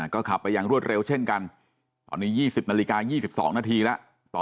ก็ขับไปอย่างรวดเร็วเช่นกันตอนนี้๒๐นาฬิกา๒๒นาทีแล้ว